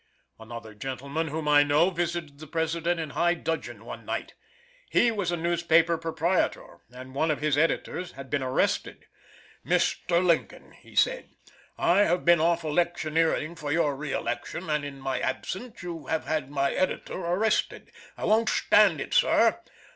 Another gentleman, whom I know, visited the President in high dudgeon one night. He was a newspaper proprietor and one of his editors had been arrested. "Mr. Lincoln," he said, "I have been off electioneering for your re election, and in my absence you have had my editor arrested. I won't stand it, sir.